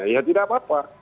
ya tidak apa apa